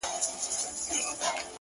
په گيلاس او په ساغر دي اموخته کړم ـ